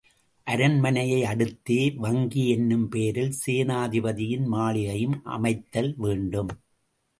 அரண்மனையை அடுத்தே வங்கி என்னும் பெயரில் சேனாதிபதியின் மாளிகையும் அமைத்தல் வேண்டும்.